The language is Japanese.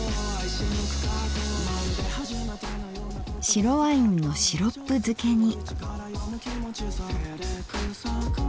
白ワインのシロップ漬けに。